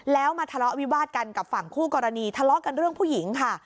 แล้วมาทะเลาะวิวาดกันกับฝั่งคู่กรณีทะเลาะกันเรื่องผู้หญิงค่ะ